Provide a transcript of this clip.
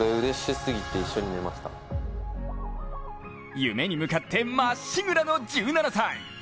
夢に向かってまっしぐらの１７歳。